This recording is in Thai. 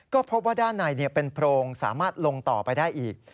ก็พบว่าด้านในเป็นโพรงสามารถลงต่อไปได้อีก